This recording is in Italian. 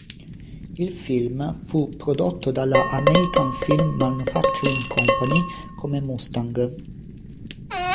Il film fu prodotto dalla American Film Manufacturing Company come Mustang.